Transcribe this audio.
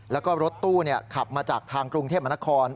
แล้วก็รถตู้ขับมาจากทางกรุงเทพมนคร